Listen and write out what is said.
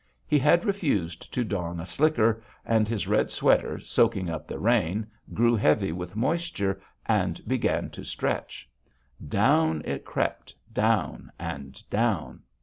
He had refused to don a slicker, and his red sweater, soaking up the rain, grew heavy with moisture and began to stretch. Down it crept, down and down.